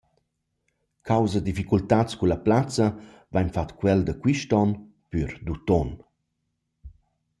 Causa difficultats culla plazza vain fat quel da quist on pür d’utuon.